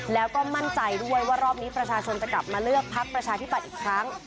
แล้วก็มั่นใจด้วยว่ารอบนี้ประชาชนจะกลับมาเลือกพักประชาธิปัตย์อีกครั้ง